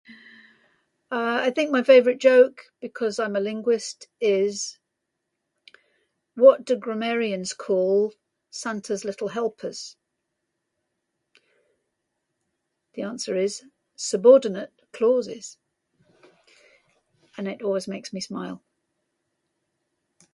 "Uh, I think my favorite joke, because I'm a linguist, is ""What do grammarians call Santas Little Helpers?"" The answer is ""subordinate clauses."" And it always makes me smile."